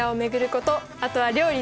あとは料理です。